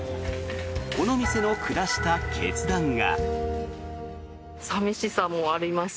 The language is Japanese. この店の下した決断が。